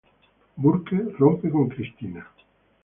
Burke rompe con Cristina.